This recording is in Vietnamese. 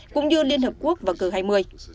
cũng như liên hợp quốc và cờ hai mươi